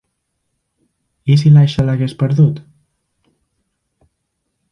I si l'Aisha l'hagués perdut?